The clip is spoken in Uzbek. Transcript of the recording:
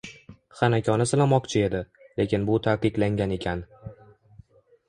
Xanakoni silamoqchi edi, lekin bu ta`qiqlangan ekan